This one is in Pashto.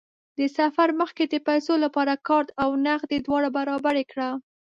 د سفر مخکې د پیسو لپاره کارت او نغدې دواړه برابرې کړه.